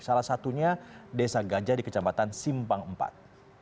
salah satunya desa gajah di kecamatan simpang iv